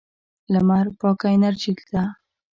لمر پاکه انرژي ده.